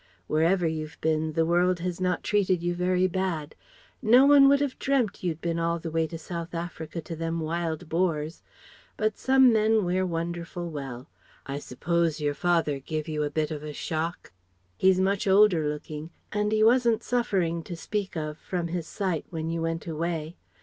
Wherever you've been, the world has not treated you very bad. No one would have dreamt you'd been all the way to South Africa to them Wild Boars. But some men wear wonderful well. I suppose your father giv' you a bit of a shock? He's much older looking; and he wassn't suffering, to speak of, from his sight when you went away.